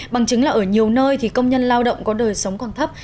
bằng chứng là ở nhiều nơi thì công nhân lao động có đời sống còn thấp